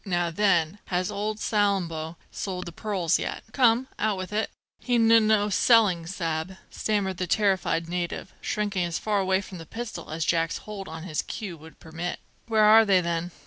Now, then, has old Salambo sold the pearls yet? Come, out with it!" "He n n no selling, sa'b," stammered the terrified native, shrinking as far away from the pistol as Jack's hold on his queue would permit "Where are they, then?